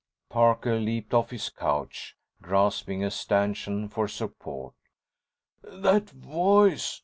Parker leaped off his couch, grasping a stanchion for support. "That voice!